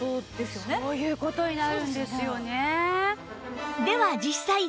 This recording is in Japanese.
そういう事になるんですよね。